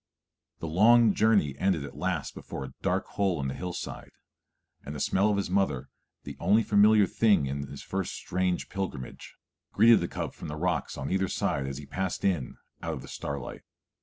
The long journey ended at last before a dark hole in the hillside; and the smell of his mother, the only familiar thing in his first strange pilgrimage, greeted the cub from the rocks on either side as he passed in out of the starlight.